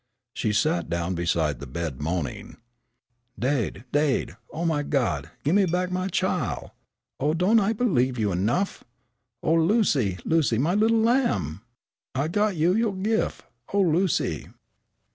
She sank down beside the bed, moaning. "Daid, daid, oh, my Gawd, gi' me back my chile! Oh, don't I believe you enough? Oh, Lucy, Lucy, my little lamb! I got you yo' gif'. Oh, Lucy!"